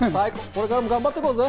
これからも頑張って行こうぜ！